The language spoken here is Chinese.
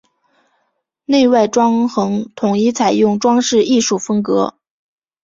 内外装潢统一采用装饰艺术风格。